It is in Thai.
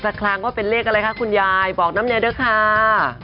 ครั้งว่าเป็นเลขอะไรคะคุณยายบอกน้ำเนียด้วยค่ะ